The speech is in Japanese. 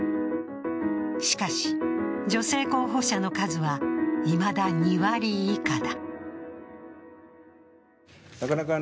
しかし、女性候補者の数はいまだ２割以下だ。